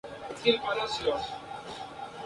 Lo menciona Ateneo.